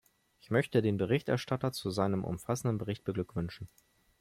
Ich möchte den Berichterstatter zu seinem umfassenden Bericht beglückwünschen.